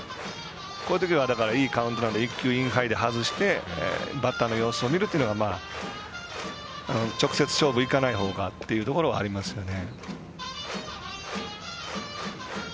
こういうときは、いいカウント１球インハイで外してバッターの様子を見るというのが直接勝負、行かないほうがというのがありますよね。